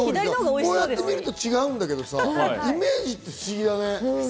こうやってみると違うんだけどさ、イメージって不思議だね。